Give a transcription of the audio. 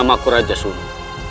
nama ku raja suni